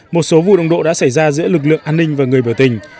một số vụ đồng độ đã xảy ra giữa lực lượng an ninh và người biểu tình